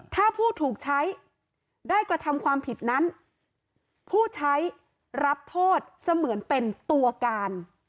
ถ้าผู้ถูกใช้ได้กระทำความผิดนั้นผู้ใช้รับโทษเสมือนเป็นตัวการ